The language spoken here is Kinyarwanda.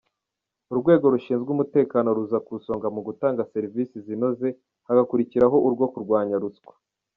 Urwego rushinzwe umutekano ruza ku isonga mu gutanga serivisi zinoze, hagakurikiraho urwo kurwanya ruswa.